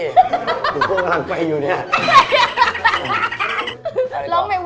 ผมก็กำลังไปอยู่เนี่ย